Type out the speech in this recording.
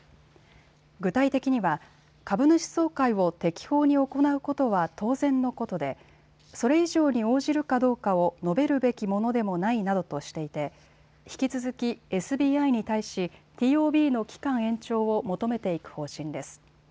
具体的には株主総会を適法に行うことは当然のことでそれ以上に応じるかどうかを述べるべきものでもないなどとしていて引き続きＳＢＩに対し、ＴＯＢの期間延長を求めていく方針です。